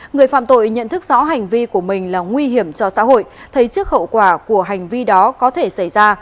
người phạm tội nhận thức rõ hành vi của mình là nguy hiểm cho xã hội thấy trước hậu quả của hành vi đó có thể xảy ra